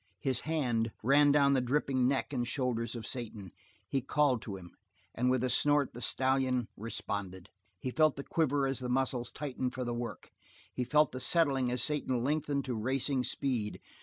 He ran his hand down the dripping neck and shoulder of Satan; he called to him; and with a snort the stallion responded. He felt the quiver as the muscles tightened for the work; he felt the settling as Satan lengthened to racing speed.